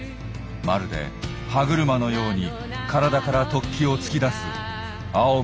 まるで歯車のように体から突起を突き出す青虫だ。